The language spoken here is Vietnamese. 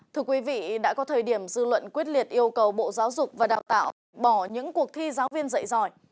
thưa quý vị đã có thời điểm dư luận quyết liệt yêu cầu bộ giáo dục và đào tạo bỏ những cuộc thi giáo viên dạy giỏi